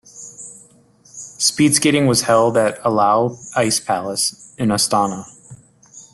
Speed skating was held at Alau Ice Palace in Astana.